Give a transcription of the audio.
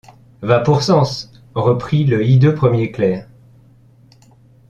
Va pour Sens ! reprit le hideux premier clerc.